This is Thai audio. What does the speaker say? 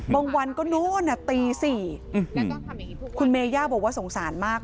บางวันก็นู่นน่ะตีสี่คุณเมย่าบอกว่าสงสารมาก